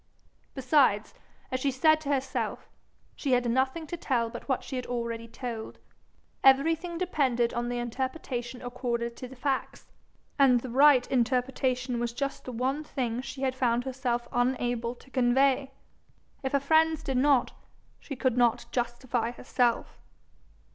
Besides, as she said to herself, she had nothing to tell but what she had already told; everything depended on the interpretation accorded to the facts, and the right interpretation was just the one thing she had found herself unable to convey. If her friends did not, she could not justify herself.